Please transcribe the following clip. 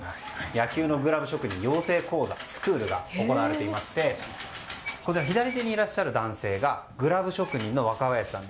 野球のグラブ職人養成講座スクールが行われていまして左手にいらっしゃる男性がグラブ職人の若林さん。